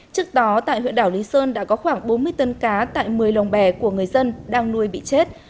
trước đó tại huyện đảo lý sơn đã có khoảng bốn mươi tấn cá tại một mươi lồng bè của người dân đang nuôi bị chết